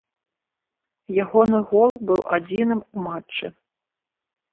Ягоны гол быў адзіным у матчы.